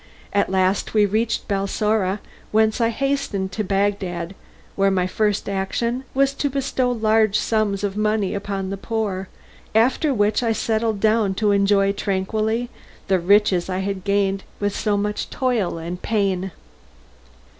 At last we reached Balsora, whence I hastened to Bagdad, where my first action was to bestow large sums of money upon the poor, after which I settled down to enjoy tranquilly the riches I had gained with so much toil and pain.